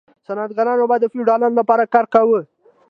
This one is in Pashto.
صنعتکارانو به د فیوډالانو لپاره کار کاوه.